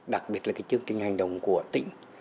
đặc biệt là chương trình hành động của tỉnh